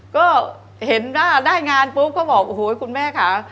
ก็เห็นว่าได้งานปุ๊บก็บอกโอ้โหคุณแม่ค่ะ